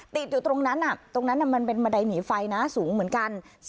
ติดอยู่ตรงนั้นตรงนั้นมันเป็นบันไดหนีไฟนะสูงเหมือนกัน